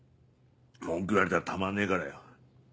文句言われたらたまんねえからよ。